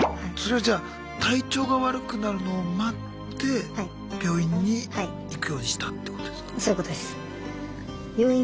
それはじゃあ体調が悪くなるのを待って病院に行くようにしたってことですか？